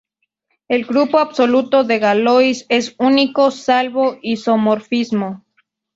El grupo absoluto de Galois es único salvo isomorfismo.